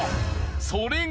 それが。